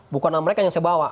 bukan mereka yang saya bawa